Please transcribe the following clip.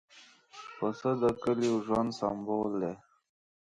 پسه د کلیو ژوند سمبول دی.